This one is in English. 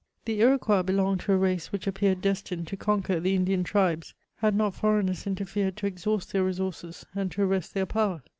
The Iroquois belonged to a race which appeared destined to conquer the Indian tribes, had not foreigners interfered to exhaust their resources and to arrest their power.